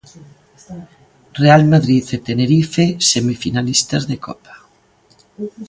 Real Madrid e Tenerife, semifinalistas de Copa.